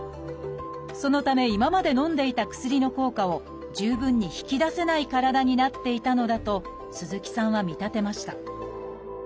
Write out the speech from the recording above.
そのため今までのんでいた薬の効果を十分に引き出せない体になっていたのだと鈴木さんは見立てました